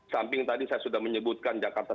samping tadi saya sudah menyebutkan jakarta